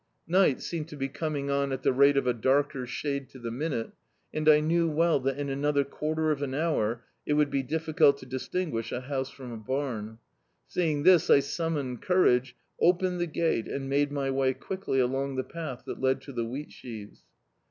Night seemed to be coming on at the rate of a darker shade to the minute, and I knew well that in another quarter of an hour it would be difHcult to distinguish a house from a bam. Seeing this, I summoned courage, opened the gate, and made my way quickly along the path that led to the wheatsheavcs.